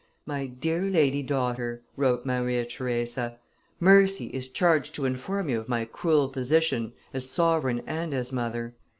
"My dear lady daughter," wrote Maria Theresa, "Mercy is charged to inform you of my cruel position, as sovereign and as mother.